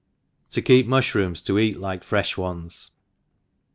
/ Toktep MushRooMs td eat like fr^ ones.